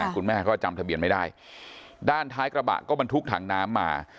คุณแม่ก็จำทะเบียนไม่ได้ด้านท้ายกระบะก็บรรทุกถังน้ำมา